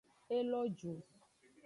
E lo ju.